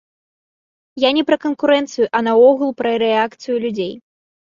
Я не пра канкурэнцыю, а наогул пра рэакцыю людзей.